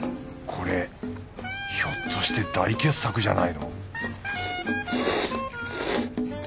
これひょっとして大傑作じゃないの